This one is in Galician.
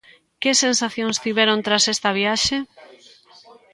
Que sensacións tiveron tras esta viaxe?